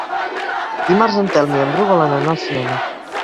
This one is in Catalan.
Dimarts en Telm i en Bru volen anar al cinema.